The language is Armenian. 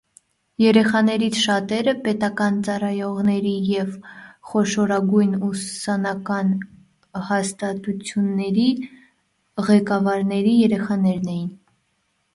Երեխաներից շատերը պետական ծառայողների և խոշորագույն ուսումնական հաստատությունների ղեկավարների երեխաներ էին։